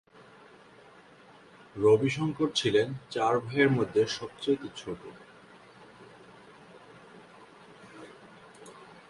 রবি শংকর ছিলেন চার ভাইয়ের মধ্যে সবচেয়ে ছোট।